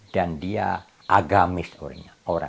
dan dia agamis orangnya